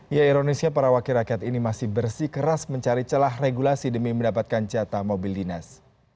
ya ironisnya para wakil rakyat ini masih bersikeras mencari celah regulasi demi mendapatkan jatah mobil dinas